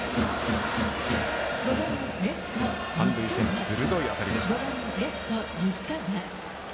三塁線、鋭い当たりでした。